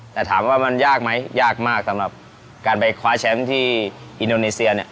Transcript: แต่ถามว่ามันยากไหมยากมากสำหรับการไปคว้าแชมป์ที่อินโดนีเซียเนี่ย